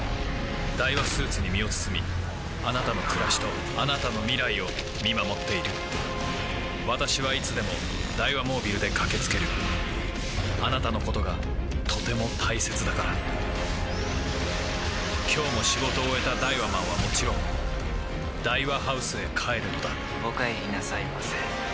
ダイワスーツに身を包みあなたの暮らしとあなたの未来を見守っている私はいつでもダイワモービルで駆け付けるあなたのことがとても大切だから今日も仕事を終えたダイワマンはもちろんダイワハウスへ帰るのだお帰りなさいませ。